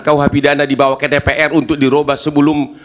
kauhapidana dibawa ke dpr untuk diroba sebelum